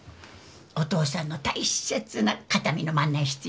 お父さんの大切な形見の万年筆よ。